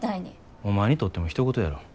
お前にとってもひと事やろ。